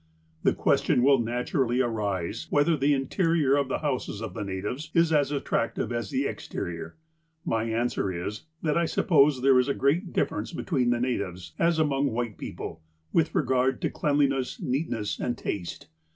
The question will naturally arise, whether the interior of the houses of the natives is as attractive as the exterior. My answer is, that I suppose there is a great difference between the natives, as among white people, with regard to cleanliness, neatness, and taste.